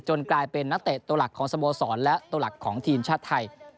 กลายเป็นนักเตะตัวหลักของสโมสรและตัวหลักของทีมชาติไทย